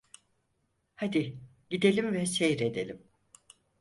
Hadi, gidelim ve seyredelim!